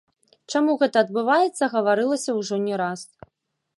Чаму гэта адбываецца, гаварылася ўжо не раз.